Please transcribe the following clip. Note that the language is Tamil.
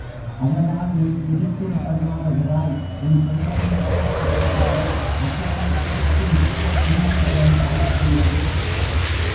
அதனால் நீ இருட்டில் தடுமாறுகிறாய் உன் சொந்த முயற்சியும் குறைகிறது மற்றவனைக் கெடுக்கும் தீய எண்ணங்களும் மலர்கின்றன.